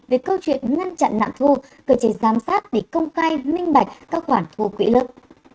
về câu chuyện ngăn chặn lạng thu cờ chế giám sát để công khai minh bạch các khoản thu quỹ lực